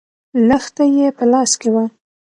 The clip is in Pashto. لښته يې په لاس کې وه.